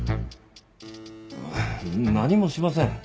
何もしません。